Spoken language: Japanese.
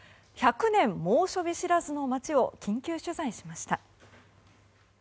１００年猛暑知らずの街を緊急取材しました。